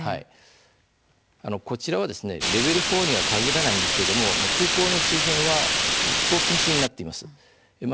こちらはレベル４に限らないんですが空港の周辺は飛行禁止になっています。